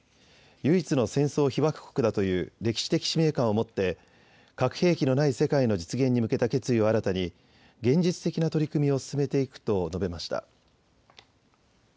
唯一の戦争被爆国だという歴史的使命感をもって核兵器のない世界の実現に向けた決意を新たに現実的な取り組みを進めていくと述べました。